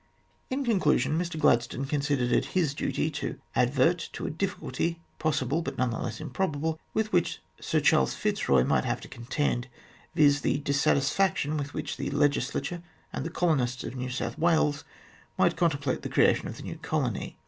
In conclusion, Mr Gladstone considered it his duty to advert to a difficulty, possible, but doubtless improbable, with which Sir Charles Fitzroy might have to contend, viz. the dissatisfaction with which the Legislature and the colonists of New South Wales might contemplate the creation of the new colony.